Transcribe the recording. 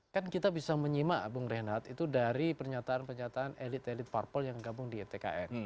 kan kita bisa menyimak bung reinhardt itu dari pernyataan pernyataan elit elit parpol yang gabung di tkn